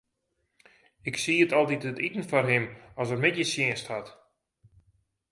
Ik sied altyd it iten foar him as er middeistsjinst hat.